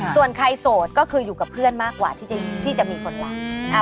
ส่วนใครโสดก็คืออยู่กับเพื่อนมากกว่าที่จะมีคนรัก